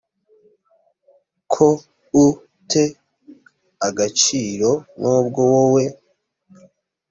ko u te agaciro nubwo wowe